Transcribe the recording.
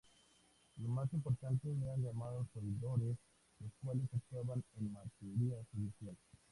Los más importantes eran llamados oidores, los cuales actuaban en materia judicial.